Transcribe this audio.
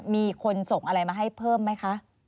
มีคนส่งอะไรมาให้เพิ่มไหมคะ